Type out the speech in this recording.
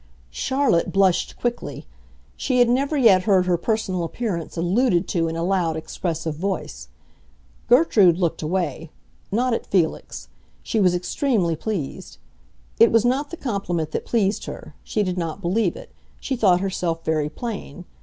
Charlotte blushed quickly; she had never yet heard her personal appearance alluded to in a loud, expressive voice. Gertrude looked away—not at Felix; she was extremely pleased. It was not the compliment that pleased her; she did not believe it; she thought herself very plain.